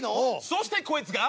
そしてこいつが。